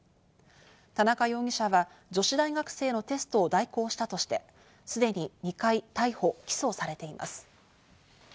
田中容疑者は、女子大学生のテストを代行したとして、すでに２回、逮捕・起訴されています。